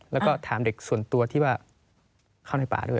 แล้วก็ถามเด็กส่วนตัวที่ว่าเข้าในป่าด้วย